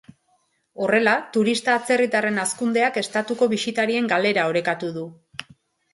Horrela, turista atzerritarren hazkundeak estatuko bisitarien galera orekatu du.